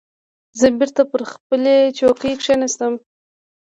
زه بېرته پر خپلې چوکۍ کېناستم.